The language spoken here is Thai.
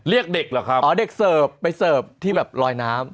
เรียกเด็กเหรอครับอ๋อเด็กเสิร์ฟไปเสิร์ฟที่แบบลอยน้ำ